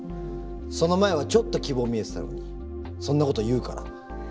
その前はちょっと希望見えてたのにそんなこと言うから。